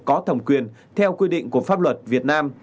có thẩm quyền theo quy định của pháp luật việt nam